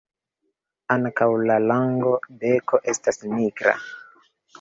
Ankaŭ la longa beko estas nigra.